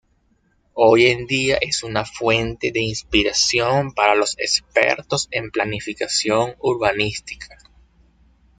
Hoy en día es una fuente de inspiración para los expertos en planificación urbanística.